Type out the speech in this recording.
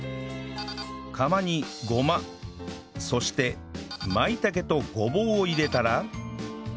釜にごまそしてまいたけとごぼうを入れたら